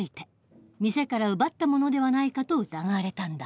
店から奪ったものではないかと疑われたんだ。